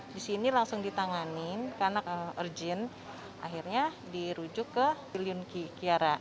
di sini langsung ditanganin karena urgent akhirnya dirujuk ke bilion ki kiara